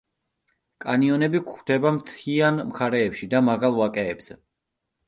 კანიონები გვხვდება მთიან მხარეებში და მაღალ ვაკეებზე.